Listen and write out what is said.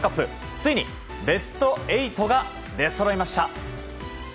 ついにベスト８が出そろいました。